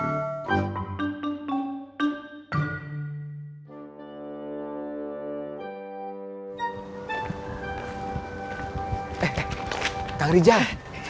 eh kang rijal